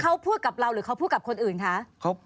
เขาพูดกับเราหรือเขาพูดกับคนอื่นคะ